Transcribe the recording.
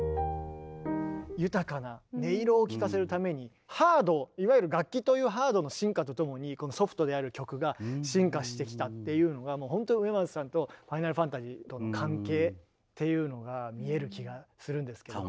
豊かな音色を聴かせるためにハードいわゆる楽器というハードの進化とともにソフトである曲が進化してきたっていうのがもうほんと植松さんと「ファイナルファンタジー」との関係っていうのが見える気がするんですけど。